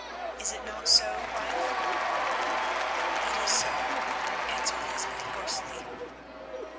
Is it not so, wife?" "It is so," answered Lysbeth hoarsely.